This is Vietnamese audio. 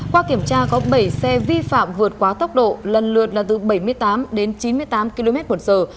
qua kiểm tra có bảy xe vi phạm vượt quá tốc độ lần lượt là từ bảy mươi tám đến chín mươi tám km một giờ